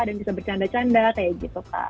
dan bisa bercanda canda kayak gitu